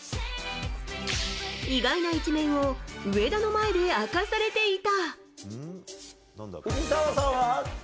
意外な一面を上田の前で明かされていた。